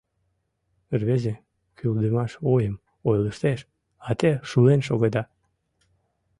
Рвезе кӱлдымаш ойым ойлыштеш, а те шулен шогеда.